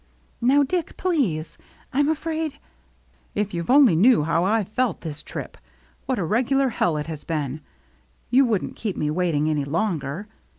"Now, Dick, please! I'm afraid —"" If you only knew how I've felt this trip, — what a regular hell it has been, — you wouldn't keep me waiting any longer.